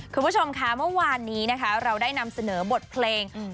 คุณผู้ชมคะเมื่อวานนี้นะคะเราได้นำเสนอบทเพลงอืม